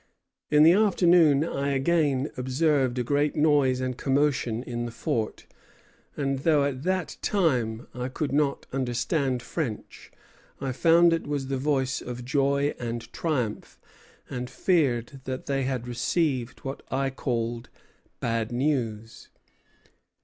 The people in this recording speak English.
"In the afternoon I again observed a great noise and commotion in the fort, and, though at that time I could not understand French, I found it was the voice of joy and triumph, and feared that they had received what I called bad news.